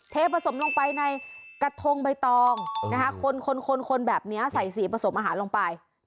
เทผสมลงไปในกระทงใบตองนะคะคนคนแบบนี้ใส่สีผสมอาหารลงไป